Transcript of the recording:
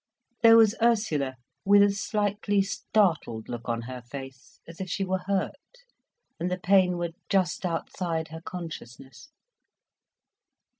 There was Ursula, with a slightly startled look on her face, as if she were hurt, and the pain were just outside her consciousness.